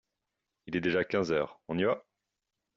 Il est déjà quinze heures, on y va?